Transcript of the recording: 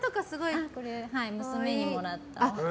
娘にもらった。